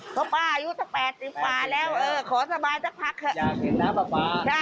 เพราะป้าอายุสัก๘๐กว่าแล้วเออขอสบายสักพักเถอะ